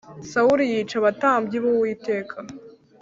Sawuli yica abatambyi b’Uwiteka